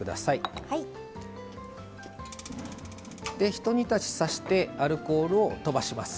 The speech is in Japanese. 一煮立ちさしてアルコールをとばします。